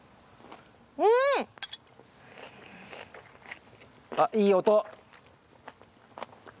うん！あっいい音！